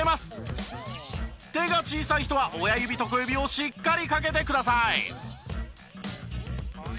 手が小さい人は親指と小指をしっかりかけてください。